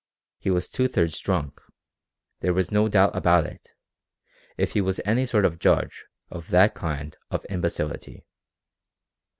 He was two thirds drunk. There was no doubt about it, if he was any sort of judge of that kind of imbecility.